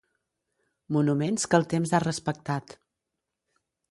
Monuments que el temps ha respectat.